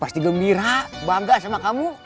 pasti gembira dan bangga dengan kamu